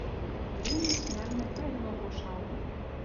Пленӹш нӓлмӹ кайынок ошалга